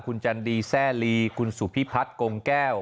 คุณจันดีแซ่ลีคุณสุพิพัฒน์กงแก้ว